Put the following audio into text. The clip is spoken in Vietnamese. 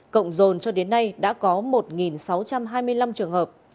cộng dồn cho đến nay đã có một sáu trăm hai mươi năm trường hợp